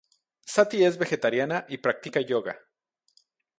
Sati es vegetariana y practica yoga.